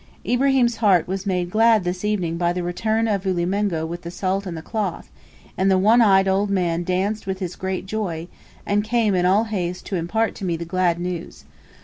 Ibrahim's heart was made glad this evening by the return of Ulimengo with the salt and the cloth, and the one eyed old man danced with his great joy, and came in all haste to impart to me the glad news.